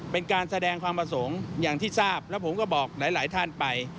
เป็นการแสดงความประสงค์อย่างที่ทราบแล้วผมก็บอกหลายท่านไป